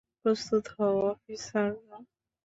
প্রস্তুত হও অফিসাররা!